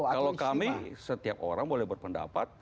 kalau kami setiap orang boleh berpendapat